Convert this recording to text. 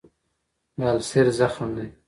د السر زخم دی.